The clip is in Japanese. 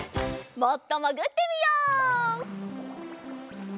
もっともぐってみよう。